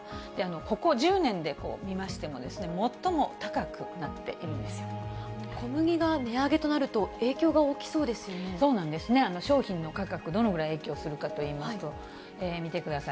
ここ１０年で見ましても、最も高小麦が値上げとなると、そうなんですね、商品の価格、どのぐらい影響するかといいますと、見てください。